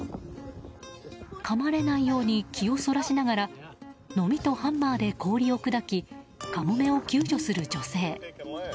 かまれないように気をそらしながらノミとハンマーで氷を砕きカモメを救助する女性。